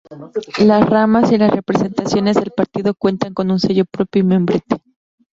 Las ramas y las representaciones del partido cuentan con su sello propio y membrete.